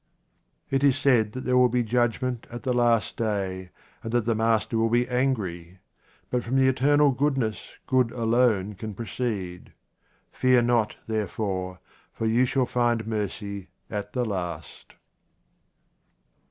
It is said that there will be judgment at the last day, and that the Master will be angry. But from the eternal goodness good alone can proceed. Fear not, therefore, for you shall find mercy at the last.